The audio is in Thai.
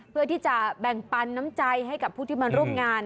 เพื่อที่จะแบ่งปันน้ำใจให้กับผู้ที่มาร่วมงาน